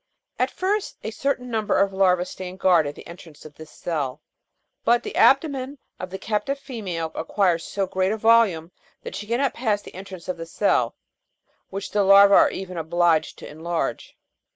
At first a certain number of larvae stand guard at the entrance of this cell ; but the abdomen of the cap tive female acquires so great a volume that she cannot pass the entrance of the cell, which the larvae are even obliged to enlarge.